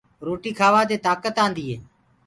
روٽيٚ کاوآ دي تآڪت آنٚديٚ هي